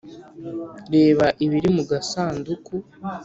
Reba ibiri mu gasanduku